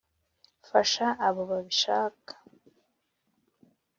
fasha abo babishaka